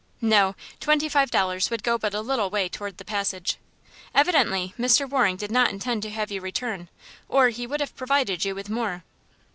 "No; twenty five dollars would go but a little way toward the passage. Evidently Mr. Waring did not intend to have you return, or he would have provided you with more."